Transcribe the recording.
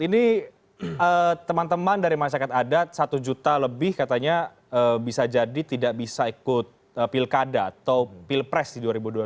ini teman teman dari masyarakat adat satu juta lebih katanya bisa jadi tidak bisa ikut pilkada atau pilpres di dua ribu dua puluh